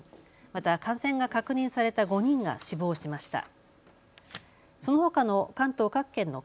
また感染が確認された５人が死亡しました。